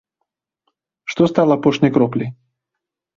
Што стала апошняй кропляй?